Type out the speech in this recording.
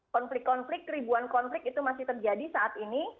konflik konflik ribuan konflik itu masih terjadi saat ini